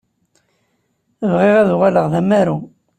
Bɣiɣ ad uɣaleɣ d amaru.